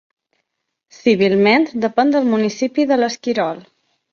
Civilment depèn del municipi de l'Esquirol.